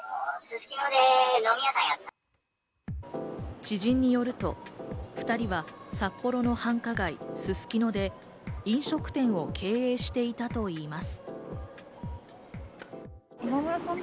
知人によると、２人は札幌の繁華街・すすきので飲食店を経営していたといいます。